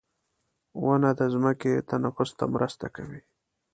• ونه د ځمکې تنفس ته مرسته کوي.